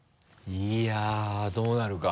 いやぁどうなるか？